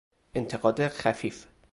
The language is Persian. انتقاد خفیف